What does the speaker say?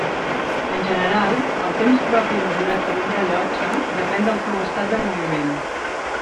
En general, el temps propi mesurat per un rellotge depèn del seu estat de moviment.